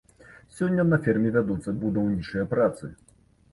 Сёння на ферме вядуцца будаўнічыя працы.